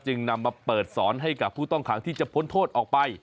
นำมาเปิดสอนให้กับผู้ต้องขังที่จะพ้นโทษออกไป